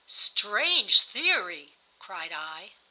"Strange theory!" cried I.